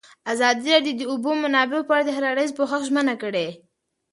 ازادي راډیو د د اوبو منابع په اړه د هر اړخیز پوښښ ژمنه کړې.